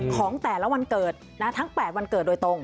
ของแต่ละวันเกิดทั้ง๘วันเกิดโดยตรง